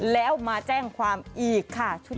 แล้วมาแจ้งความอีกค่ะชุดเด็ด